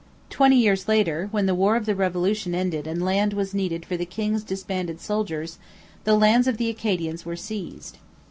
Twenty years later, when the war of the Revolution ended and land was needed for the king's disbanded soldiers, the lands of the Acadians were seized.